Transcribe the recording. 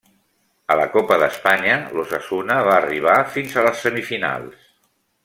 A la Copa d'Espanya, l'Osasuna va arribar fins a les semifinals.